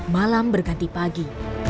malam berganti pagi